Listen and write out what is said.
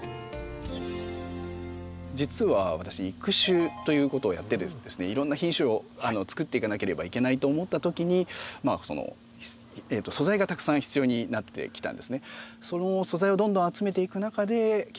実は私育種ということをやっててですねいろんな品種をつくっていかなければいけないと思ったときに素材がたくさん必要になってきたんですね。